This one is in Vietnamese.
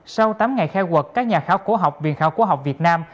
sau tám ngày khai quật các nhà khảo cổ học viện khảo cổ học việt nam